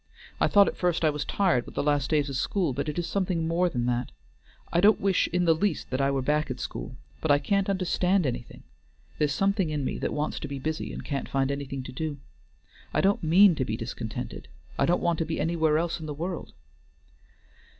I thought at first I was tired with the last days of school, but it is something more than that. I don't wish in the least that I were back at school, but I can't understand anything; there is something in me that wants to be busy, and can't find anything to do. I don't mean to be discontented; I don't want to be anywhere else in the world."